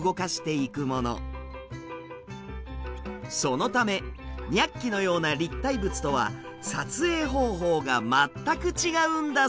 そのため「ニャッキ！」のような立体物とは撮影方法が全く違うんだそう。